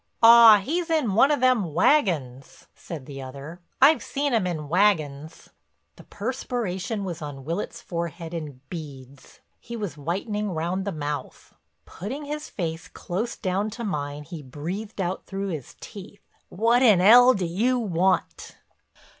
"Aw, he's in one of them wagons," said the other. "I've seen 'em in wagons." The perspiration was on Willitts' forehead in beads, he was whitening round the mouth. Putting his face close down to mine he breathed out through his teeth: "What in 'ell do you want?"